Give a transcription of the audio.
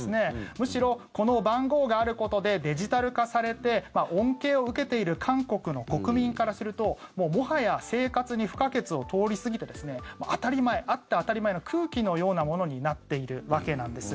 むしろ、この番号があることでデジタル化されて恩恵を受けている韓国の国民からするともはや生活に不可欠を通り過ぎて当たり前あって当たり前の空気のようなものになっているわけなんです。